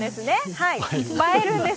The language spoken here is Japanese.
はい、映えるんです。